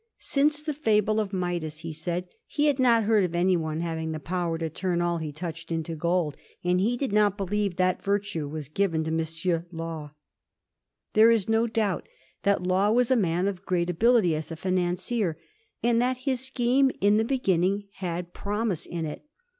Since the fable of Midas, he said, he had not heard of any one having the power to turn all he touched into gold, and he did not believe that virtue was given to M. Law. There is no doubt that Law was a man of great ability as a financier, and that his scheme in the beginning had promise in it.